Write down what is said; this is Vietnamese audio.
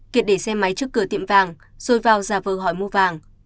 kiệt để xe máy trước cửa tiệm vàng rồi vào giả vờ hỏi mua vàng